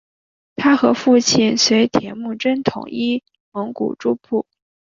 他和父亲随从铁木真统一蒙古诸部。